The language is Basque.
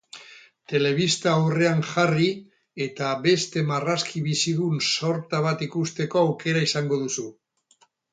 Telebista aurrean jarri eta beste marrazki bizidun sorta bat ikusteko aukera izango duzu.